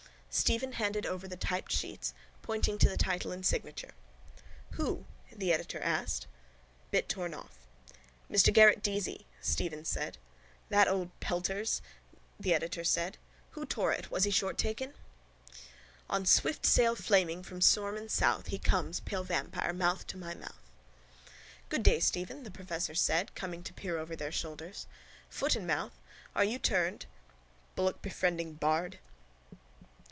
Stephen handed over the typed sheets, pointing to the title and signature. —Who? the editor asked. Bit torn off. —Mr Garrett Deasy, Stephen said. —That old pelters, the editor said. Who tore it? Was he short taken? On swift sail flaming From storm and south He comes, pale vampire, Mouth to my mouth. —Good day, Stephen, the professor said, coming to peer over their shoulders. Foot and mouth? Are you turned...? Bullockbefriending bard.